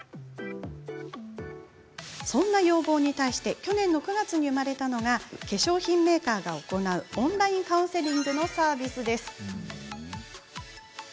そんな要望に対して去年９月に生まれたのが化粧品メーカーが行うオンラインカウンセリングのサービスです。